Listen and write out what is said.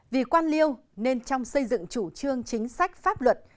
vì quan liêu nên trong xây dựng chủ trương chính sách pháp luật